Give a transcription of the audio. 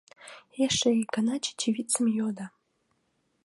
— эше ик гана Чечевицын йодо.